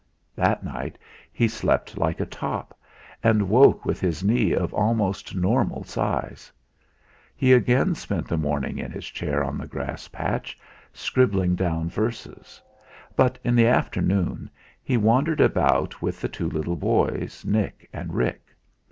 That night he slept like a top, and woke with his knee of almost normal size. He again spent the morning in his chair on the grass patch, scribbling down verses; but in the afternoon he wandered about with the two little boys Nick and Rick.